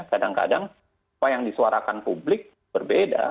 kadang kadang apa yang disuarakan publik berbeda